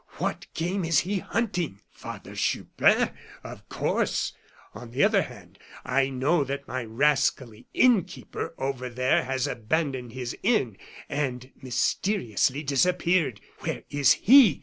What game is he hunting? Father Chupin, of course. On the other hand, I know that my rascally innkeeper over there has abandoned his inn and mysteriously disappeared. Where is he?